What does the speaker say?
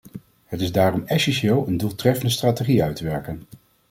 Het is daarom essentieel een doeltreffende strategie uit te werken.